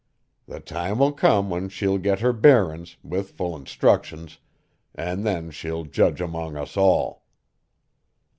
The time will come when she'll get her bearin's, with full instructions, an' then she'll judge among us all!"